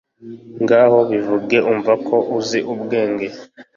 ngaho bivuge, umva ko uzi ubwenge